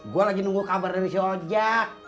gue lagi nunggu kabar dari sojak